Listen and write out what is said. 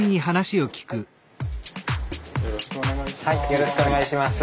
よろしくお願いします。